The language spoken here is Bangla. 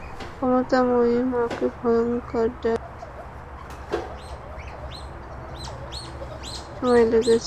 মমতাময়ী মাকে ভয়ংকর ডাইনিরূপে মেনে নিতে বেশ কিছুদিন সময় লেগেছে জোলিসন্তানদের।